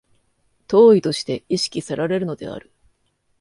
当為として意識せられるのである。